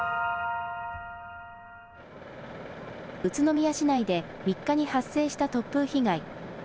宇都宮市内で３日に発生した突風被害。